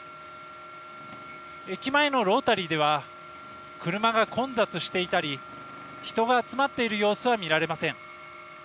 駅前のロータリーでは、車が混雑していたり人が集まっている様子は見られません。